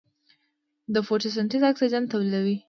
د فوټوسنتز اکسیجن تولیدوي.